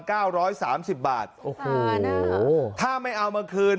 เก้าร้อยสามสิบบาทโอ้โหนะโอ้ถ้าไม่เอามาคืน